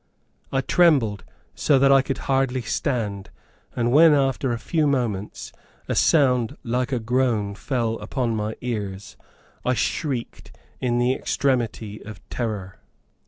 I trembled so that I could hardly stand, and when, after a few moments, a sound like a groan fell upon my ears, I shrieked in the extremity of terror.